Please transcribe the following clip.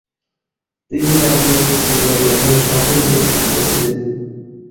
তিনি রাজনৈতিক জীবনে একজন সফল ব্যক্তিত্ব ছিলেন।